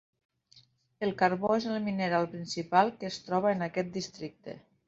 El carbó és el mineral principal que es troba en aquest districte.